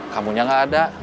kamunya nggak ada